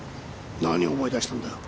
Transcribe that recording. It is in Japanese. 何を思い出したんだよ？